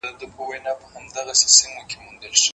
اسلام د عقل کارولو ته هڅوي.